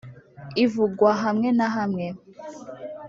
Ivugwa hamwe na hamwe